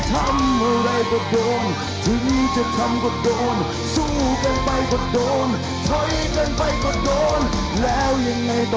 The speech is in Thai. แล้วจะเอายังไง